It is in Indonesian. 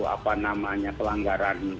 apa namanya pelanggaran